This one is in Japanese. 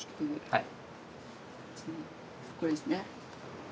はい。